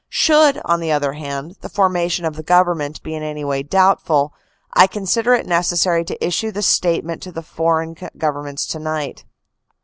" Should, on the other hand, the formation of the Govern ment be in any way doubtful, I consider it necessary to issue the statement to the foreign Governments tonight.